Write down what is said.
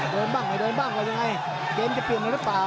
เดินบ้างก็ยังไงเกมจะเปลี่ยนหนึ่งหรือเปล่า